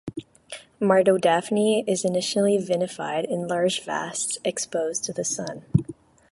Mavrodaphni is initially vinified in large vats exposed to the sun.